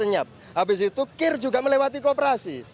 habis itu kir juga melewati kooperasi